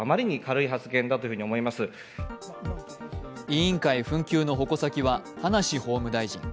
委員会紛糾の矛先は葉梨法務大臣。